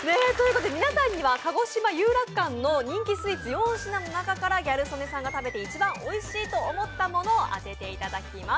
皆さんにはかごしま遊楽館の人気スイーツ４品の中からギャル曽根さんが食べて一番おいしいと思ったものを当てていただきます。